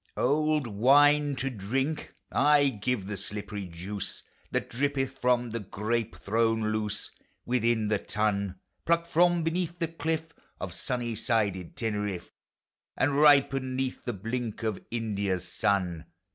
Old wine to drink !— Ay, give the slippery juice That drippeth from the grape thrown loose Within the tun; Plucked from beneath the cliff Of sunny sided Teneriffe, And ripened 'neath the blink Of India's sun